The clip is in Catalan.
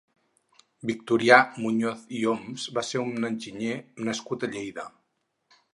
Victorià Muñoz i Oms va ser un enginyer nascut a Lleida.